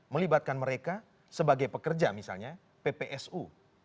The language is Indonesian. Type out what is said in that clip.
melibatkan mereka sebagai pekerja misalnya ppsu